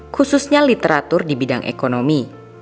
khususnya literatur di bidang ekonomi